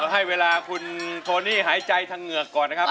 ให้เวลาคุณโทนี่หายใจทางเหงือกก่อนนะครับ